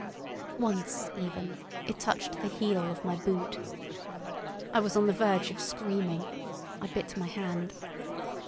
Once, even, it touched the heel of my boot. I was on the verge of screaming; I bit my hand.